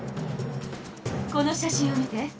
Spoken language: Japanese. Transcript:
この写真を見て。